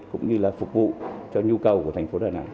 cũng như là phục vụ cho nhu cầu của thành phố đà nẵng